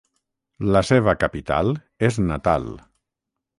La seva capital és Natal.